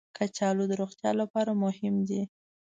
کچالو د روغتیا لپاره مهم دي